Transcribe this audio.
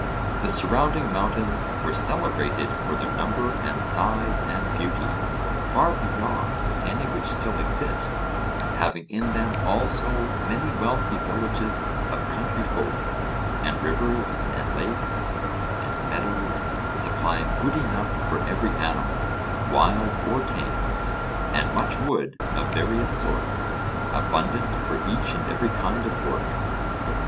The surrounding mountains were celebrated for their number and size and beauty, far beyond any which still exist, having in them also many wealthy villages of country folk, and rivers, and lakes, and meadows supplying food enough for every animal, wild or tame, and much wood of various sorts, abundant for each and every kind of work.